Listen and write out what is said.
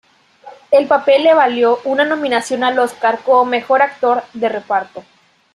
El papel le valió una nominación al Óscar como mejor actor de reparto.